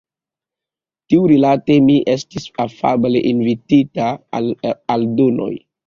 Tiurilate mi estis afable invitita al aldonoj.